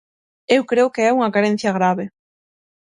Eu creo que é unha carencia grave.